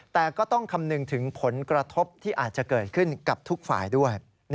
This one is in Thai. แต่ก็ต้องคำนึงถึงผลกระทบที่อาจจะเกิดขึ้นกับทุกฝ่ายด้วย